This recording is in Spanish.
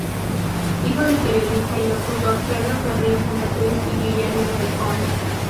Hijo del periodista y locutor Pedro Ferriz Santa Cruz y Guillermina de Con.